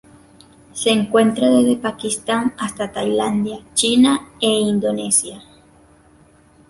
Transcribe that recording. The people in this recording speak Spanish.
Se encuentra desde Pakistán hasta Tailandia, China e Indonesia.